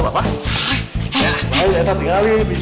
mau dibangun ya